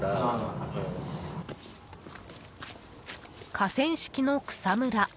河川敷の草むら。